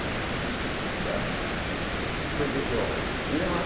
じゃあ春菊を入れます！